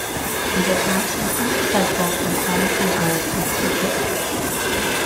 These attacks were unsuccessful and quite a few anarchists were killed.